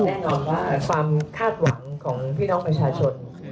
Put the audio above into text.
แน่นอนว่าความคาดหวังของพี่น้องประชาชน